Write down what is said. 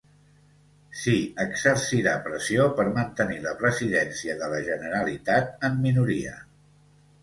Si exercira pressió per mantenir la presidència de la Generalitat en minoria.